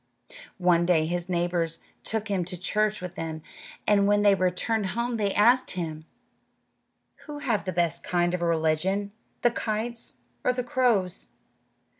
One day his neighbors took him to church with them, and when they returned home they asked him, "Who have the best kind of religion, the kites or the crows?"